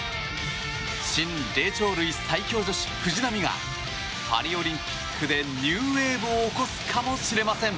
新霊長類最強女子、藤波がパリオリンピックでニューウェーブを起こすかもしれません。